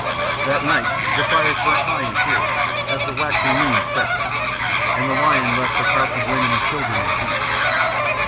That night the fires burnt high and fierce, as the waxing moon set, and the lion left the crouching women and children in peace.